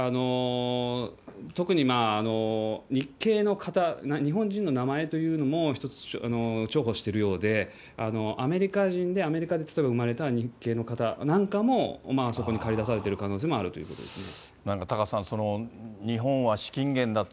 特に日系の方、日本人の名前というのも一つ重宝してるようで、アメリカ人でアメリカで生まれた日系の方なんかも、そこに駆りだされてる可能性もあるということですね。